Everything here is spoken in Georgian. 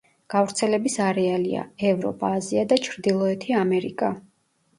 გავრცელების არეალია: ევროპა, აზია და ჩრდილოეთი ამერიკა.